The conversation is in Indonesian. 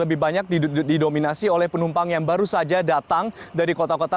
lebih banyak didominasi oleh penumpang yang baru saja datang dari kota kota